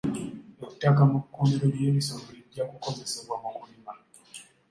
Ettaka mu kkuumiro ly'ebisolo lijja kukozesebwa mu kulima.